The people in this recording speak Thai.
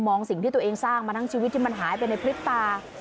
สิ่งที่ตัวเองสร้างมาทั้งชีวิตที่มันหายไปในพริบตา